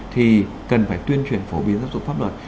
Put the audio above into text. thì cần phải tuyên truyền phổ biến giáp dụng pháp luật